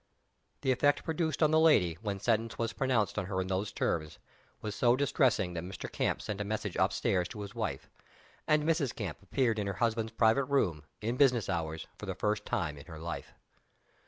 The effect produced on the lady, when sentence was pronounced on her in those terms, was so distressing that Mr. Camp sent a message up stairs to his wife; and Mrs. Camp appeared in her husband's private room, in business hours, for the first time in her life.